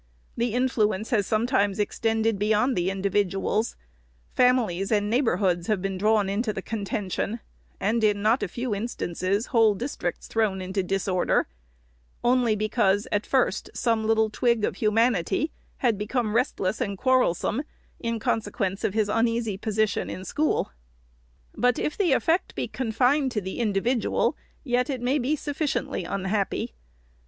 The influence has sometimes extended beyond the individuals ; families and neighborhoods have been drawn into the contention ; and in not a few instances whole districts thrown into disorder, only because at first some little twig of humanity had become restless and quarrel some, in consequence of his uneasy position in school.' "But if the effect be confined to the individual, yet it may be sufficiently unhappy.